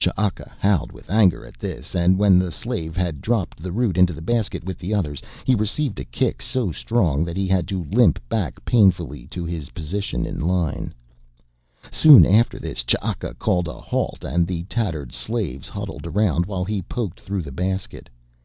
Ch'aka howled with anger at this and when the slave had dropped the root into the basket with the others he received a kick so strong that he had to limp back painfully to his position in the line. Soon after this Ch'aka called a halt and the tattered slaves huddled around while he poked through the basket.